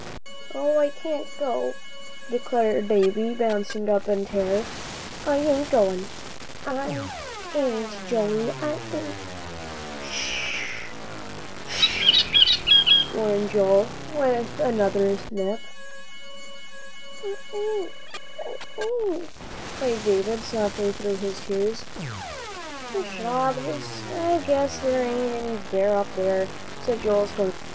"Oh, I can't go," declared Davie, bouncing up in terror. "I ain't goin'. I ain't, Joey. I ain't " "Sh sh!" warned Joel, with another nip. "I ain't I ain't " cried David, softly, through his tears. "Pshaw! I guess there ain't any bear up there," said Joel, scornfully.